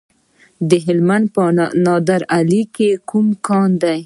د هلمند په نادعلي کې کوم کان دی؟